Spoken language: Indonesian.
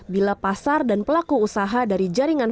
bila pasar dan pelaku usaha dari jaringan lima g